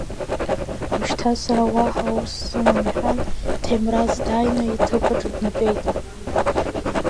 Ушьҭа сара уаҳа ус сымам, — иҳәан, Ҭемраз дааин иҭыԥ аҿы днатәеит.